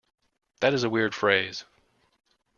That is a weird phrase.